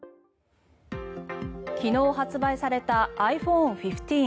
昨日発売されたｉＰｈｏｎｅ１５。